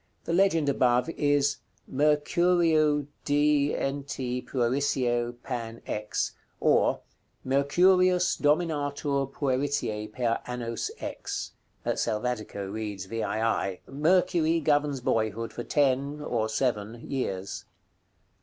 The legend above is "MECUREU^s DNT. PUERICIE PAN. X." Or, "Mercurius dominatur pueritiæ per annos X." (Selvatico reads VII.) "Mercury governs boyhood for ten (or seven) years."